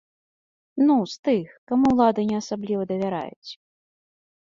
Ну, з тых, каму ўлады не асабліва давяраюць.